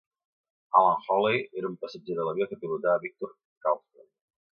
Alan Hawley era un passatger de l'avió que pilotava Victor Carlstrom.